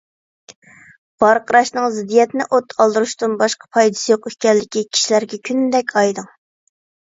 ۋارقىراشنىڭ زىددىيەتنى ئوت ئالدۇرۇشتىن باشقا پايدىسى يوق ئىكەنلىكى كىشىلەرگە كۈندەك ئايدىڭ.